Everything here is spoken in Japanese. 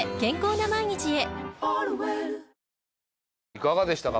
いかがでしたか？